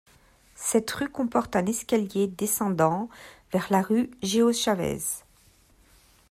Cette rue comporte un escalier descendant vers la rue Géo-Chavez.